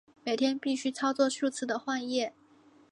每天必须操作数次的换液。